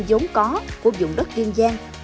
giống có của dụng đất kiên giang